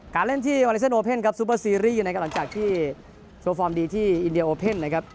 เล่นที่วาเลเซนโอเพ่นครับซูเปอร์ซีรีส์นะครับหลังจากที่โชว์ฟอร์มดีที่อินเดียโอเพ่นนะครับ